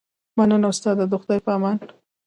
مننه استاده د خدای په امان